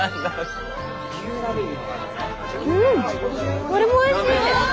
うんこれもおいしい！